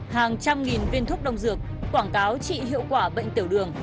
hàng trăm nghìn viên thuốc đông dược quảng cáo trị hiệu quả bệnh tiểu đường